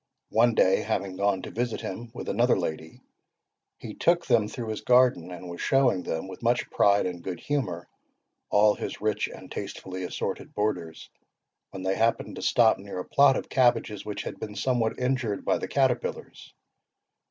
One day, having gone to visit him with another lady, he took them through his garden, and was showing them, with much pride and good humour, all his rich and tastefully assorted borders, when they happened to stop near a plot of cabbages which had been somewhat injured by the caterpillars.